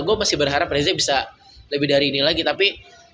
gue masih berharap reza bisa lebih dari ini lagi tapi